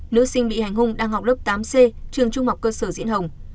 nữ sinh bị hành hung đang học lớp tám c trường trung học cơ sở diễn hồng